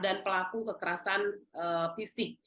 ada pelaku kekerasan fisik